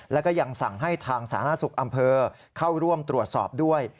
แล้วก็ยังสั่งให้ทางสาธารณสุขอำเภอเข้าร่วมตรวจสอบด้วย